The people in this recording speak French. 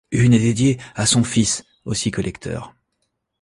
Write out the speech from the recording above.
Une est dédiée à son fils, aussi collecteur.